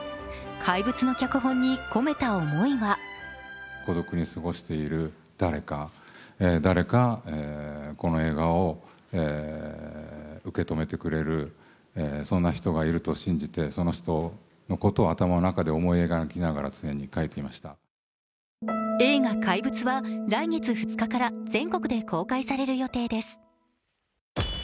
「怪物」の脚本に込めた思いは映画「怪物」は来月２日から全国で公開される予定です。